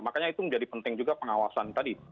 makanya itu menjadi penting juga pengawasan tadi